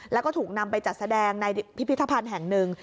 แล้วก็ถูกนำไปจัดแสดงในพิพิธภัณฑ์แห่งหนึ่ง